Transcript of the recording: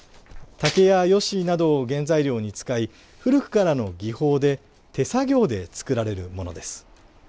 竹や葦などを原材料に使い古くからの技法で手作業で作られるものです。